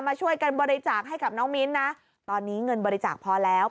มาช่วยกันบริจาคให้กับน้องมิ้นนะตอนนี้เงินบริจาคพอแล้ว